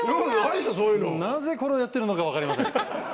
なぜこれをやっているのか分かりません。